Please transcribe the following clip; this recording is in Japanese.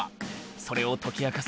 それを解き明かす